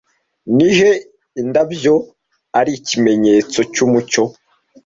Nihe indabyo ari ikimenyetso cyumuco